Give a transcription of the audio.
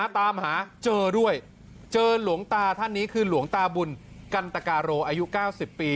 ตามหาเจอด้วยเจอหลวงตาท่านนี้คือหลวงตาบุญกันตกาโรอายุ๙๐ปี